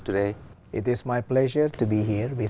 cũng gặp các loại